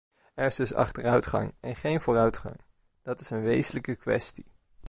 Er is dus achteruitgang en geen vooruitgang: dat is een wezenlijke kwestie.